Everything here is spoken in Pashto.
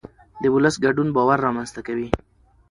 د ولس ګډون باور رامنځته کوي